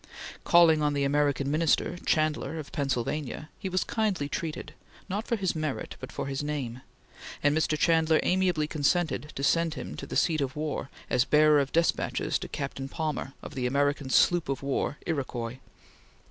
Calling on the American Minister, Chandler of Pennsylvania, he was kindly treated, not for his merit, but for his name, and Mr. Chandler amiably consented to send him to the seat of war as bearer of despatches to Captain Palmer of the American sloop of war Iroquois.